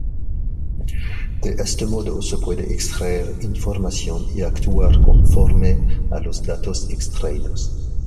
De este modo se puede extraer información y actuar conforme a los datos extraídos.